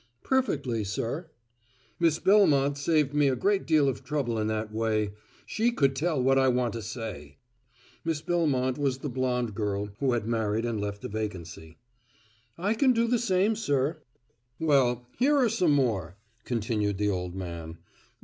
"Perfectly, sir." "Miss Belmont saved me a great deal of trouble in that way. She could tell what I would want to say." Miss Belmont was the blonde girl who had married and left a vacancy. "I can do the same, sir." "Well, here are some more," continued the old man.